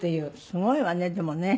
すごいわねでもね。